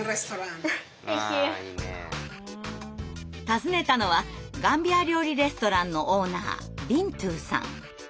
訪ねたのはガンビア料理レストランのオーナービントゥーさん。